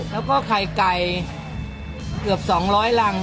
แล้วก็ไข่ไก่เกือบสองร้อยรัง